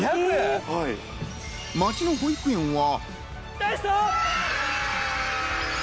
街の保育園は。